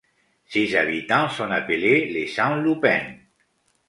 Ses habitants sont appelés les Saint-Loupéens.